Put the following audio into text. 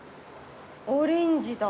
オレンジだ。